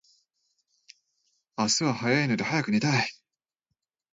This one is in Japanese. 明日は早いので早く寝たい